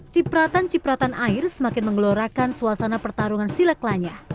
cipratan cipratan air semakin menggelorakan suasana pertarungan silek lanya